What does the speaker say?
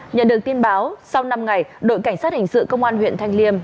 nhận được tin báo sau năm ngày đội cảnh sát hình sự công an huyện thanh liêm